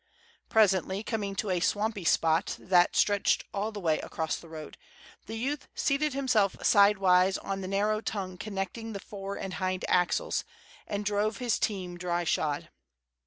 Presently, coming to a swampy spot that stretched all the way across the road, the youth seated himself sidewise on the narrow tongue connecting the fore and hind axles, and drove his team dry shod.